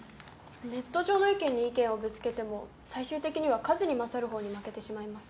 ネット上の意見に意見をぶつけても最終的には数に勝るほうに負けてしまいます。